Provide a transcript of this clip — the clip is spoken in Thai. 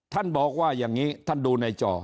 ท่านบอกว่าอย่างนี้ท่านดูในจอ